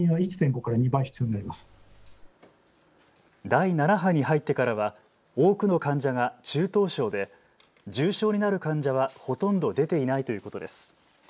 第７波に入ってからは多くの患者が中等症で重症になる患者はほとんど出ていないということです。